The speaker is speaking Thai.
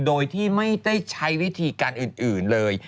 โดยที่ไม่ได้ใช้วิธีการอื่นเลย